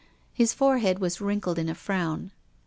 His forehead was wrinkled in a frown.